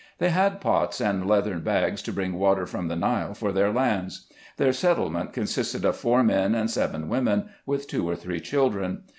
They had pots and leathern bags to bring water from the Nile for their lands. Their settlement consisted of four men and seven women, with two or three children.